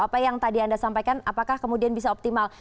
apa yang tadi anda sampaikan apakah kemudian bisa optimal